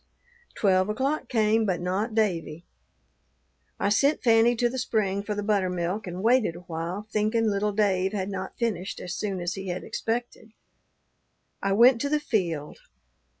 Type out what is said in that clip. "Twelve o'clock came, but not Davie. I sent Fanny to the spring for the buttermilk and waited a while, thinking little Dave had not finished as soon as he had expected. I went to the field.